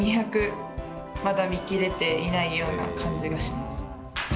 ２００、まだ見きれていないような感じがします。